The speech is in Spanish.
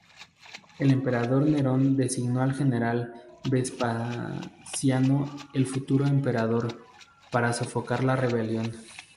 El emperador Nerón designó al general Vespasiano, el futuro emperador, para sofocar la rebelión.